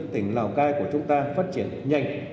tỉnh lào cai của chúng ta phát triển nhanh